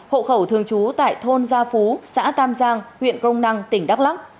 hộ khẩu thường trú tại thôn gia phú xã tam giang huyện crong năng tỉnh đắk lắc